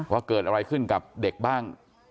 ว่าเกิดอะไรขึ้นกับเด็กบ้าง